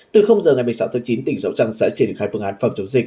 từ giờ ngày một mươi sáu tháng chín tỉnh sóc trăng sẽ triển khai phương án phòng chống dịch